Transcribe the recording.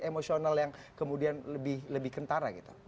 emosional yang kemudian lebih kentara gitu